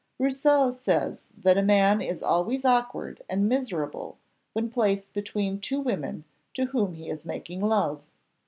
Rousseau says that a man is always awkward and miserable when placed between two women to whom he is making love.